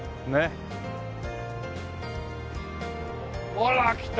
ほら来た！